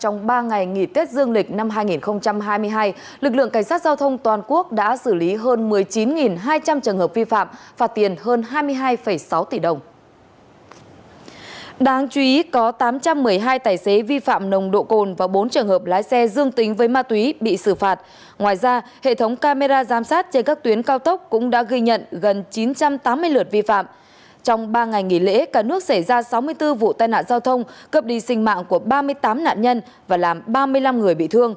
trong ba ngày nghỉ lễ cả nước xảy ra sáu mươi bốn vụ tai nạn giao thông cập đi sinh mạng của ba mươi tám nạn nhân và làm ba mươi năm người bị thương